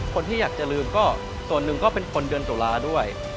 คนที่อยากจะลืมก็ส่วนหนึ่งก็เป็นคนเดือนตุลาด้วย